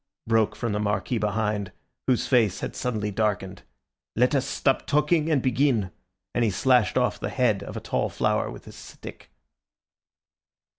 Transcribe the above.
_" broke from the Marquis behind, whose face had suddenly darkened, "let us stop talking and begin," and he slashed off the head of a tall flower with his stick.